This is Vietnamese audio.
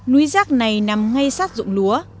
núi rác này nằm ngay sát ruộng lúa